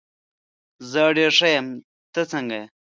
زه ډېر ښه یم، ته څنګه یې؟